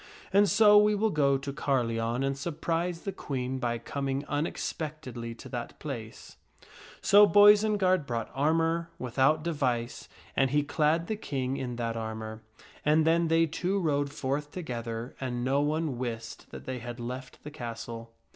And so we will go to Carleon and surprise the Queen by coming unexpectedly to that place." So Boisenard brought armor, without device, and he clad the King in that armor ; and then they two rode forth together, and no one wist that they had left the castle.